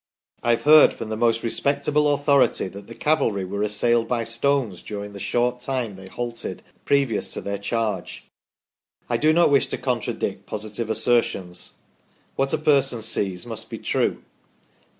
I have heard from the most respectable authority that the cavalry were assailed by stones during the short time they halted previous to their charge. I do not wish to contradict positive assertions. What a person sees must be true.